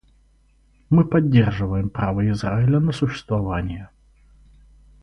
Мы поддерживаем право Израиля на существование.